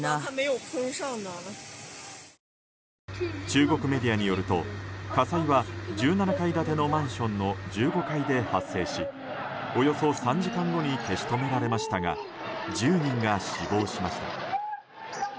中国メディアによると火災は１７階建てのマンションの１５階で発生しおよそ３時間後に消し止められましたが１０人が死亡しました。